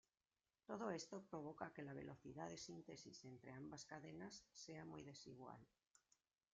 Todo esto provoca que la velocidad de síntesis entre ambas cadenas sea muy desigual.